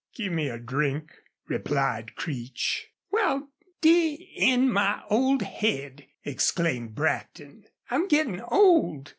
"Gimme a drink," replied Creech. "Wal, d n my old head!" exclaimed Brackton. "I'm gittin' old.